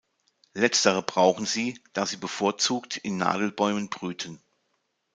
Letztere brauchen sie, da sie bevorzugt in Nadelbäumen brüten.